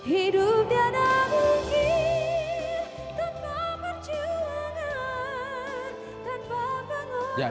hidup tidak mungkin tanpa perjuangan tanpa pengorbanan